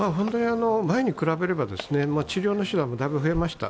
前に比べれば、治療の手段もだいぶ増えました。